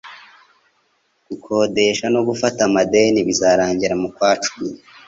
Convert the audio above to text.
gukodesha no gufata amadeni bizarangira mu kwa cumi